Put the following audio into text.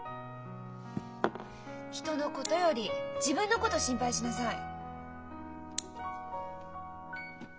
人のことより自分のこと心配しなさい。